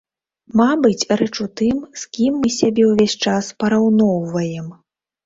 Мабыць, рэч у тым, з кім мы сябе ўвесь час параўноўваем.